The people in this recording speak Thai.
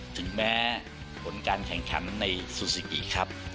ถึงแม้ผลการแข่งขันในซูซิกิครับ